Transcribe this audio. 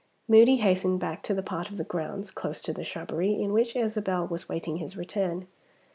Moody hastened back to the part of the grounds (close to the shrubbery) in which Isabel was waiting his return.